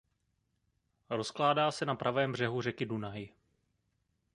Rozkládá se na pravém břehu řeky Dunaj.